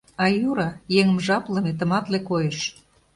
Аюра — еҥым жаплыме, тыматле койыш.